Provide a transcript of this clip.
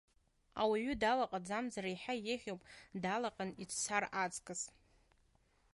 Ауаҩы далаҟаӡамзар еиҳа еиӷьуп, далаҟан ицәцар аҵкыс.